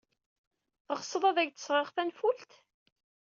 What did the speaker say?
Teɣsed ad ak-d-sɣeɣ tanfult?